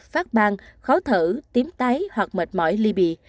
phát bang khó thở tím tái hoặc mệt mỏi ly bị